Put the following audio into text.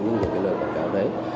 những cái lời quảng cáo đấy